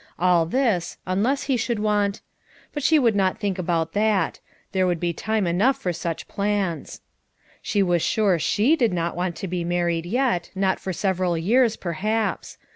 All this, unless he should want — but she would not think about that; there would be time enough for such plans. She was sure she did not want to be married yet, not for several years, perhaps.